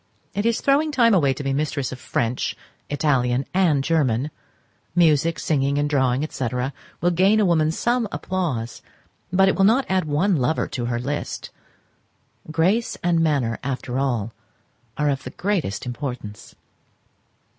It is throwing time away to be mistress of French, Italian, and German: music, singing, and drawing, &c., will gain a woman some applause, but will not add one lover to her list—grace and manner, after all, are of the greatest importance.